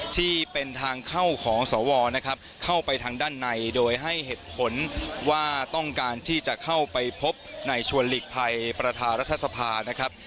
ที่เป็นทางเข้าของสวนะครับเข้าไปทางด้านในโดยให้เหตุผลว่าต้องการที่จะเข้าไปพบในชวนหลีกภัยประธานรัฐสภานะครับ